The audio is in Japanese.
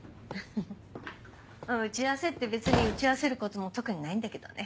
打ち合わせって別に打ち合わせることも特にないんだけどね。